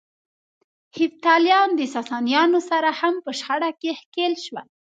هېپتاليان د ساسانيانو سره هم په شخړه کې ښکېل شول.